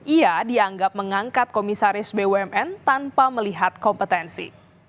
ia dianggap mengangkat komisaris bumn tanpa melihat kompetensi